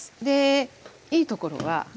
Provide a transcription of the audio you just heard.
でいいところは。